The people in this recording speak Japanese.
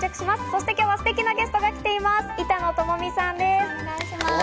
そして今日はすてきなゲストが来ています、板野友美さんです。